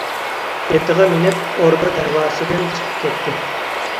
ئېتىغا مىنىپ ئوردا دەرۋازىسىدىن چىقىپ كەتتى.